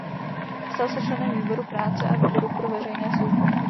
Stal se členem výboru práce a výboru pro veřejné služby.